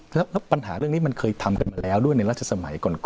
แล้วปัญหาเรื่องนี้มันเคยทำกันมาแล้วด้วยในราชสมัยก่อน